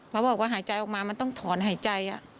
บอกว่าหายใจออกมามันต้องถอนหายใจ